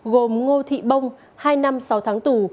gồm ngô thị bông hai năm sáu tháng tù